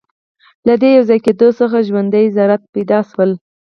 له دې یوځای کېدو څخه ژوندۍ ذرات پیدا شول.